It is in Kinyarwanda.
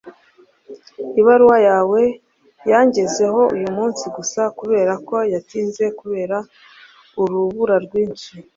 ibaruwa yawe yangezeho uyu munsi gusa, kubera ko yatinze kubera urubura rwinshi